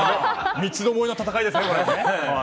三つどもえの戦いですね。